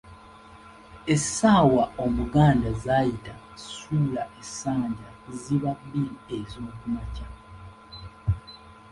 Essaawa Omuganda z’ayita suula essanja ziba bbiri ez'okumakya.